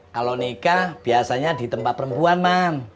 kalau nikah biasanya di tempat perempuan man